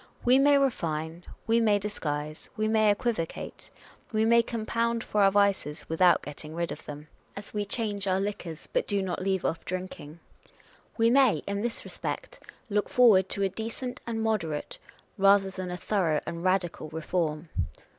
We may refine, we may disguise, we may equivocate, we may compound for our vices, without getting rid of them ; as we z 338 On Personal Character. change our liquors but do not leave off drinking. "We may, in this respect, look forward to a decent and moderate, rather than a thorough and radical reform.